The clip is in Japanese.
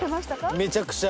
めちゃくちゃ。